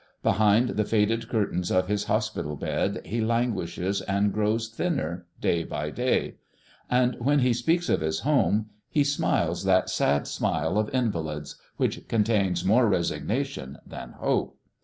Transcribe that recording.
Behind the faded curtains of his hospital bed, he languishes and grows thinner day by day; and when he speaks of his home, he smiles that sad smile of invalids which contains more resignation than hope.